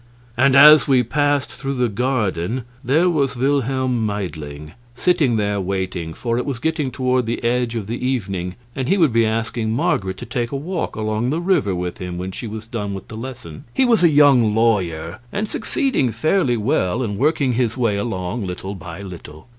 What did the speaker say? And as we passed through the garden, there was Wilhelm Meidling sitting there waiting, for it was getting toward the edge of the evening, and he would be asking Marget to take a walk along the river with him when she was done with the lesson. He was a young lawyer, and succeeding fairly well and working his way along, little by little.